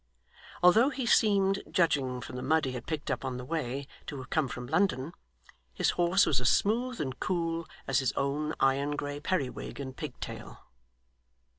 Although he seemed, judging from the mud he had picked up on the way, to have come from London, his horse was as smooth and cool as his own iron grey periwig and pigtail.